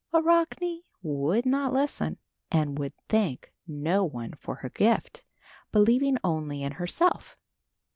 Arachne would not listen and would thank no one for her gift, believing only in herself.